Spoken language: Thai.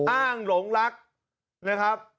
อ้างหลงรักนะครับ